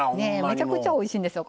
めちゃくちゃおいしいんですよ